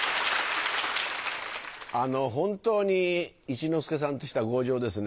本当に一之輔さんって人は強情ですね。